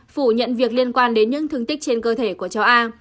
phủ nhận việc liên quan đến những thương tích trên cơ thể của cháu a